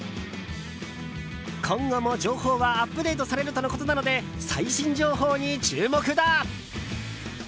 今後も情報はアップデートされるとのことなので最新情報に注目だ！